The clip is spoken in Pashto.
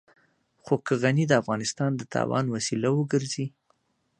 خو که غني د افغانستان د تاوان وسيله وګرځي.